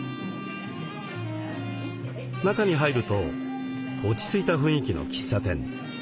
中に入ると落ち着いた雰囲気の喫茶店。